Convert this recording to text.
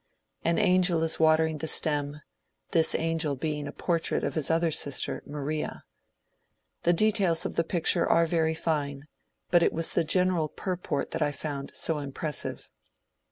An angel is watering the stem, this angel being a portrait of his other sister, Maria. The details of the pic ture are very fine, but it was the general purport that I found so impressive.